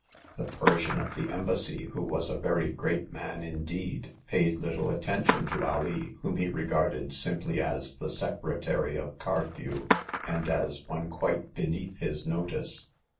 The Persian of the Embassy, who was a very great man indeed, paid little attention to Alee, whom he regarded simply as the secretary of Carthew, and as one quite beneath his notice.